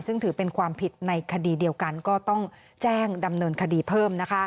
ซึ่งถือเป็นความผิดในคดีเดียวกันก็ต้องแจ้งดำเนินคดีเพิ่ม